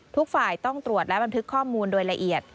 ทุกฝ่ายต้องตรวจและบันทึกข้อมูลโดยละเอียด